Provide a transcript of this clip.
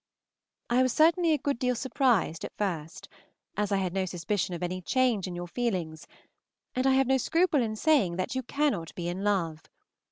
I was certainly a good deal surprised at first, as I had no suspicion of any change in your feelings, and I have no scruple in saying that you cannot be in love.